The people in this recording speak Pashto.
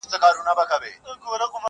ما پردی ملا لیدلی په محراب کي ځړېدلی.!